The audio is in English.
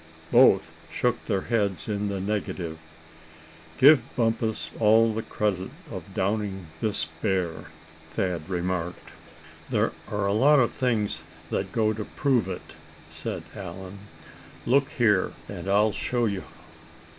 Both shook their heads in the negative. "Give Bumpus all the credit of downing this bear," Thad remarked. "There are lots of things that go to prove it," said Allan. "Look here, and I'll show you.